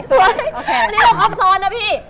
ตอนนี้เราครอบซ้อนนะพี่